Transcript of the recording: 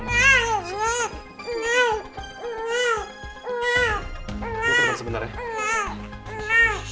kita ke depan sebentar ya